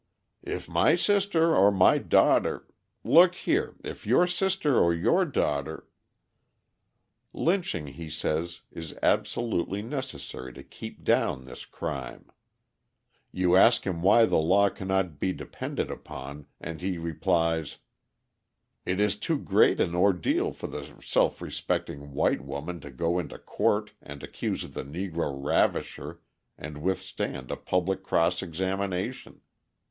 "If my sister or my daughter look here, if your sister or your daughter " Lynching, he says, is absolutely necessary to keep down this crime. You ask him why the law cannot be depended upon, and he replies: "It is too great an ordeal for the self respecting white woman to go into court and accuse the Negro ravisher and withstand a public cross examination.